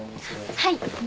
はい。